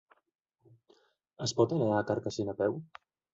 Es pot anar a Carcaixent a peu?